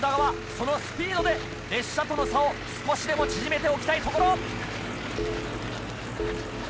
そのスピードで列車との差を少しでも縮めておきたいところ。